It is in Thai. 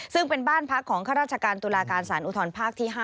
ซึ่งเป็นบ้านพักของข้าราชการตุลาการสารอุทธรภาคที่๕